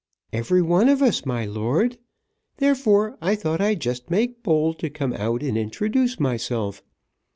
"Every one of us, my lord. Therefore I thought I'd just make bold to come out and introduce myself.